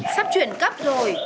sắp chuyển cấp rồi